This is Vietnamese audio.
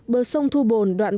bờ sông thu bồn